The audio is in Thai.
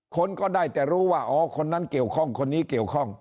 คนก็ได้แต่รู้ว่าอ๋อคนนั้นเกี่ยวข้องคนนี้เกี่ยวข้อง